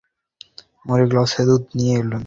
মীরা গ্লাসে করে দুধ নিয়ে এলেন।